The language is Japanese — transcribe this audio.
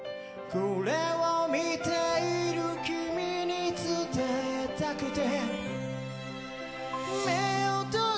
これを見ている君に伝えたくて。